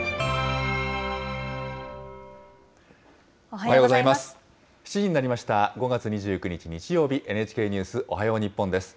おはようございます。